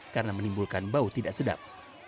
karena menimbulkan bau tidak sedap